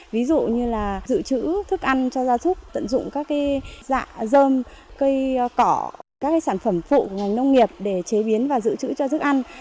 ví dụ như là dự trữ thức ăn cho gia súc tận dụng các dạng dơm cây cỏ các sản phẩm phụ của ngành nông nghiệp để chế biến và giữ chữ cho thức ăn